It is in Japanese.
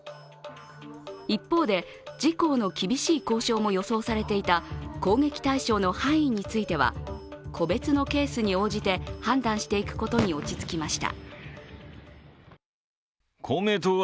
一方で、自・公の厳しい交渉も予想されいた攻撃対象の範囲については個別のケースに応じて判断していくことに落ち着きました。